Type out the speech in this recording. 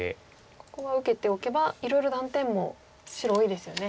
ここは受けておけばいろいろ断点も白多いですよね。